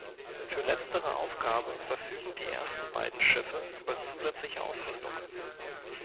Für letztere Aufgabe verfügen die ersten beiden Schiffe über zusätzliche Ausrüstung.